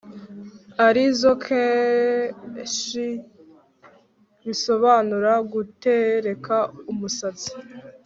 ari zo kesh, bisobanura gutereka umusatsi